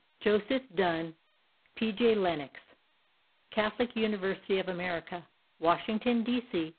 JOSEPH DUNN P.J. LENNOX Catholic University of America, _Washington, D.C.